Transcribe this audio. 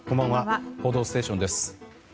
「報道ステーション」です。